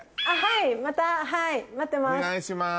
またはい待ってます。